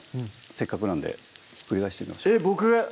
せっかくなんでひっくり返してみましょうえっ僕？